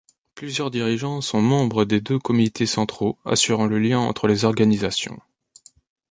Plusieurs dirigeants sont membres des deux comités centraux, assurant le lien entre les organisations.